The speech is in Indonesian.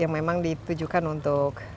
yang memang ditujukan untuk